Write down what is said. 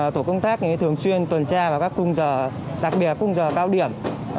tổ công tác thường xuyên tuần tra vào các cung giờ đặc biệt khung giờ cao điểm